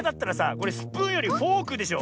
これスプーンよりフォークでしょ。